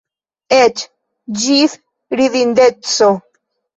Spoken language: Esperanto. Eĉ ĝis ridindeco.